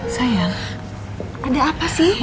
sayang ada apa sih